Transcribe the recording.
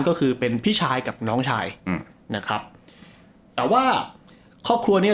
ก็คือเป็นพี่ชายกับน้องชายอืมนะครับแต่ว่าครอบครัวเนี้ย